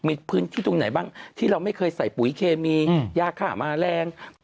มีพื้นที่ตรงไหนบ้างที่เราไม่เคยใส่ปุ๋ยเคมียาฆ่ามาแรง